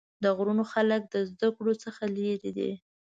د غرونو خلق د زدکړو نه لرې دي